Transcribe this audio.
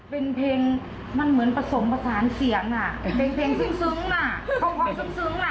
เป็นเพลงมันเหมือนผสมผสานเสียง